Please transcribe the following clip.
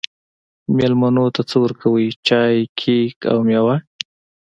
میلمنو ته څه ورکوئ؟ چای، کیک او میوه